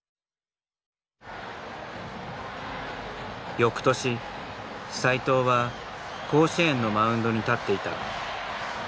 翌年斎藤は甲子園のマウンドに立っていた。